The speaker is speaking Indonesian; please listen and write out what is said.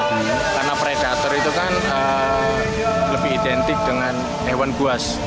karena predator itu kan lebih identik dengan hewan buas